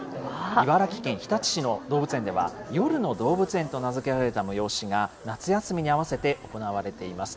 茨城県日立市の動物園では、夜の動物園と名付けられた催しが、夏休みに合わせて行われています。